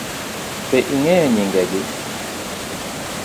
Be ing'eyo nyingegi?